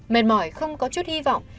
mệt mỏi không có chút hy vọng